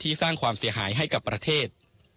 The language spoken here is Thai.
สร้างความเสียหายให้กับประเทศ